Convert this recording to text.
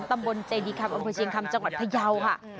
ตะบลใจดีคำอัมพชิงคำจังหวัดพยาวค่ะ